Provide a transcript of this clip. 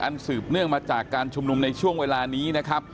สืบเนื่องมาจากการชุมนุมในช่วงเวลานี้นะครับ